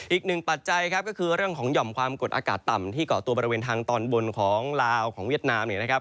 ปัจจัยครับก็คือเรื่องของหย่อมความกดอากาศต่ำที่เกาะตัวบริเวณทางตอนบนของลาวของเวียดนามเนี่ยนะครับ